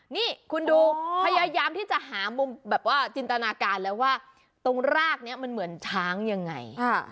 นี่คุณดูพยายามที่จะหามุมแบบว่าจินตนาการแล้วว่าตรงรากนี้มันเหมือนช้างยังไง